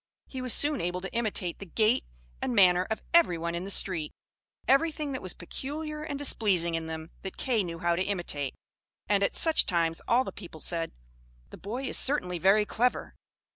He was soon able to imitate the gait and manner of everyone in the street. Everything that was peculiar and displeasing in them that Kay knew how to imitate: and at such times all the people said, "The boy is certainly very clever!"